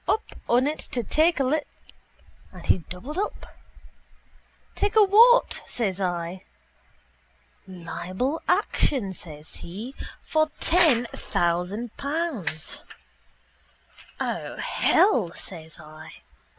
p: up on it to take a li... And he doubled up. —Take a what? says I. —Libel action, says he, for ten thousand pounds. —O hell! says I.